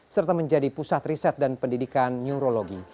serta menjadi pusat riset dan pendidikan neurologi